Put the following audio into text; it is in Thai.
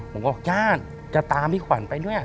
ผมก็บอกย่าจะตามพี่ขวัญไปด้วย